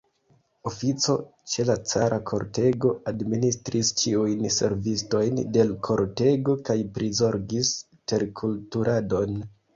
Ofico, ĉe la cara kortego, administris ĉiujn servistojn de l' kortego kaj prizorgis terkulturadon.